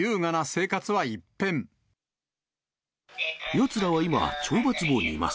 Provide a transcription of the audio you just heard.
やつらは今、懲罰房にいます。